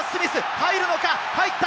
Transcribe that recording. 入るのか、入った！